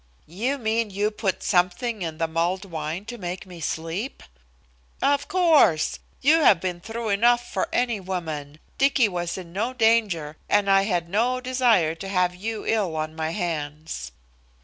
"You mean you put something in the mulled wine to make me sleep?" "Of course. You have been through enough for any one woman. Dicky was in no danger, and I had no desire to have you ill on my hands."